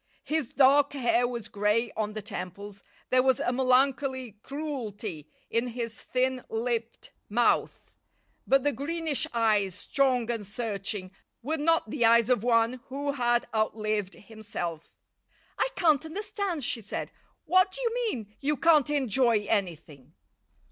His dark hair was grey on the temples; there was a melancholy cruelty in his thin lipped mouth; but the greenish eyes, strong and searching, were not the eyes of one who had out lived himself. "I can't understand," she said. "What do you mean? You can't enjoy anything?"